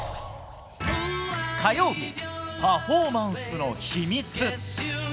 火曜日パフォーマンスの秘密。